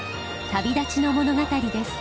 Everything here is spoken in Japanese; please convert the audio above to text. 旅立ちの物語です。